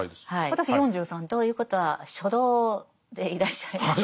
私４３。ということは初老でいらっしゃいますね。